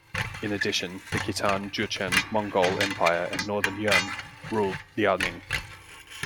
In addition, the Khitan, Jurchen, Mongol Empire and Northern Yuan ruled Liaoning.